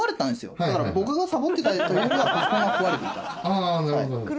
あなるほど。